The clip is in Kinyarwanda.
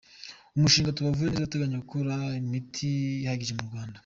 Umushinga Tubavureneza urateganya gukora imiti ihagije M’uRwanda